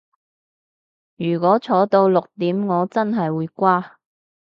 如果坐到六點我真係會瓜